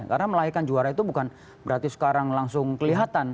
karena melahirkan juara itu bukan berarti sekarang langsung kelihatan